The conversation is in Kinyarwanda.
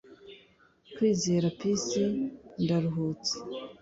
Kwizera Peace Ndaruhutse